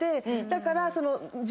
だから。